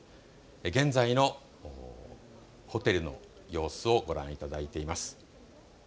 現在のホテルの様子をご覧いただいています。